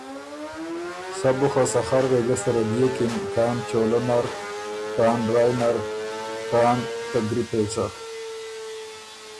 سَۀ بو خه سخر وېګۀ سَرَه دئېکِن، کان چولۀ نر، کان رایٛ نر، کان ته ګری پېڅه